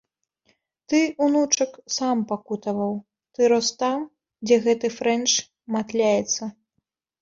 Ты, унучак, сам пакутаваў, ты рос там, дзе гэты фрэнч матляецца.